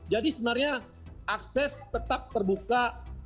jadi sebenarnya akses tetap terbuka